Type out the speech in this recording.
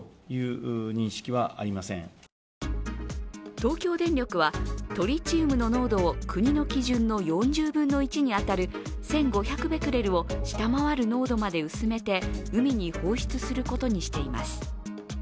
東京電力は、トリチウムの濃度を国の基準の４０分の１に当たる１５００ベクレルを下回る濃度まで薄めて海に放出することにしています。